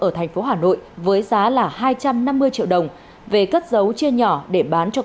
ở tp hà nội với giá là hai trăm năm mươi triệu đồng về cất dấu chia nhỏ để bán cho các đối tượng